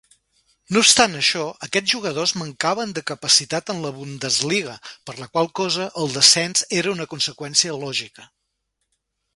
No obstant això, aquests jugadors mancaven de capacitat en la Bundesliga, per la qual cosa el descens era una conseqüència lògica.